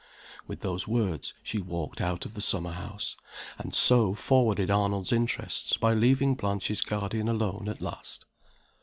With those words, she walked out of the summer house and so forwarded Arnold's interests by leaving Blanche's guardian alone at last.